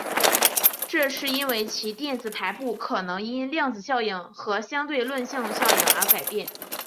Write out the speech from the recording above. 这是因为其电子排布可能因量子效应和相对论性效应而改变。